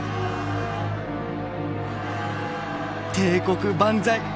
「帝国万歳！